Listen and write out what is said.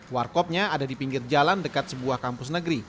warkopnya ada di pinggir jalan dekat sebuah kampus negeri